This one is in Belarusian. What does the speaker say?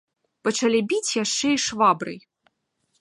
Пачалі біць яшчэ і швабрай.